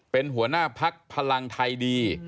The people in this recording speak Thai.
เป็นหัวหน้าพักพลังไทยดี